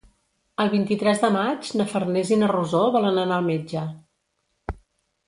El vint-i-tres de maig na Farners i na Rosó volen anar al metge.